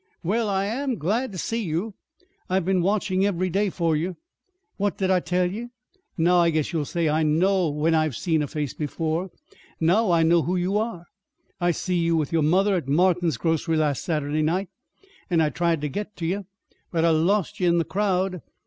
"Well, I am glad to see you! I've been watchin' ev'ry day fur you. What did I tell ye? Now I guess you'll say I know when I've seen a face before! Now I know who you are. I see you with your mother at Martin's grocery last Sat'day night, and I tried ter get to ye, but I lost ye in the crowd.